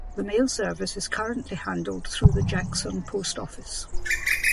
The mail service is currently handled through the Jackson Post Office.